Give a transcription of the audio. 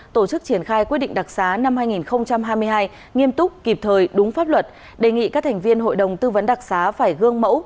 tổ chức triển khai quyết định đặc xá năm hai nghìn hai mươi hai nghiêm túc kịp thời đúng pháp luật đề nghị các thành viên hội đồng tư vấn đặc xá phải gương mẫu